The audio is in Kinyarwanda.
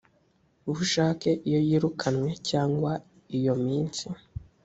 bushake iyo yirukanywe cyangwa iyo minsi